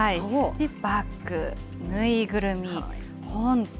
バッグ、縫いぐるみ、本と。